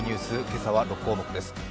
今朝は６項目です。